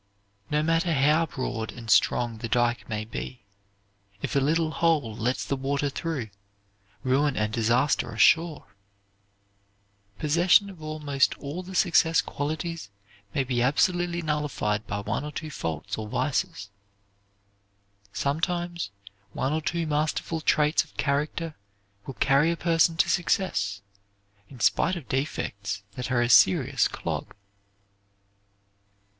No matter how broad and strong the dike may be, if a little hole lets the water through, ruin and disaster are sure. Possession of almost all the success qualities may be absolutely nullified by one or two faults or vices. Sometimes one or two masterful traits of character will carry a person to success, in spite of defects that are a serious clog.